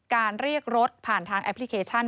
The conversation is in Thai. เรียกรถผ่านทางแอปพลิเคชัน